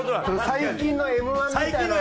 最近のＭ−１みたいな。